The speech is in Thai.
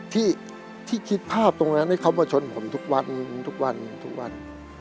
ที่คิดภาพตรงนั้นให้เขามาชนผมทุกวันทุกวันทุกวันทุกวัน